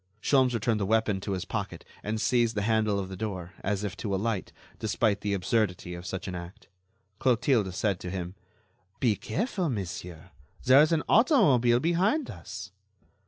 Sholmes returned the weapon to his pocket and seized the handle of the door, as if to alight, despite the absurdity of such an act. Clotilde said to him: "Be careful, monsieur, there is an automobile behind us."